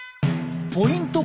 ポイント